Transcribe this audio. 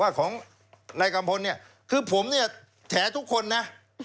ว่าของนายกัมพลเนี่ยตัวเขาถูกมาที่แจนทุกคนนะ